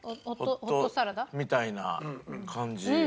ホットサラダ？みたいな感じ。